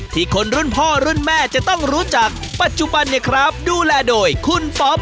คนรุ่นพ่อรุ่นแม่จะต้องรู้จักปัจจุบันเนี่ยครับดูแลโดยคุณป๊อป